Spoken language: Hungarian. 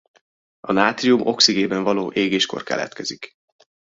A nátrium oxigénben való égésekor keletkezik.